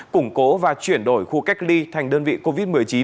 củng cố và chuyển đổi khu cách ly thành đơn vị covid một mươi chín